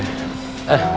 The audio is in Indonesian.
eh gini pak ya